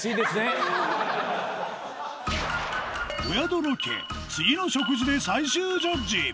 お宿ロケ次の食事で最終ジャッジ！